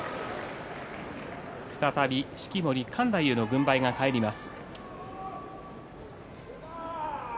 再び式守勘太夫の軍配が返ります。